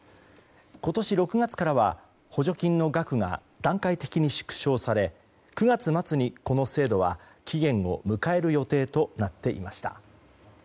今年６月からは補助金の額が段階的に縮小され９月末に、この制度は期限を迎える予定となっていました。